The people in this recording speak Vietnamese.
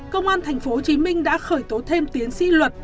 công an tp hcm đã khởi tố thêm tiến sĩ luật